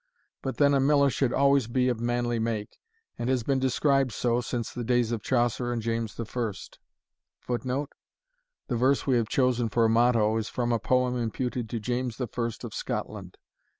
But then a miller should always be of manly make, and has been described so since the days of Chaucer and James I. [Footnote: The verse we have chosen for a motto, is from a poem imputed to James I. of Scotland.